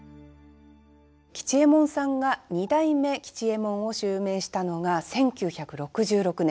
吉右衛門さんが二代目吉右衛門を襲名したのが１９６６年